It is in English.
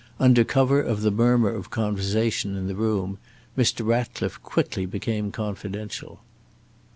Under cover of the murmur of conversation in the room, Mr. Ratcliffe quickly became confidential.